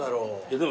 でも。